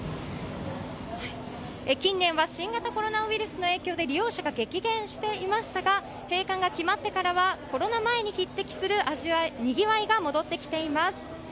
近年は新型コロナウイルスの影響で利用者が激減していましたが閉館が決まってからはコロナ前に匹敵するにぎわいが戻ってきています。